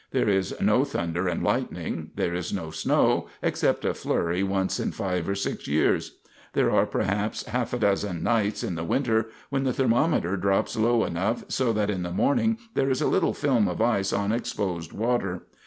There is no thunder and lightning; there is no snow, except a flurry once in five or six years; there are perhaps half a dozen nights in the winter when the thermometer drops low enough so that in the morning there is a little film of ice on exposed water.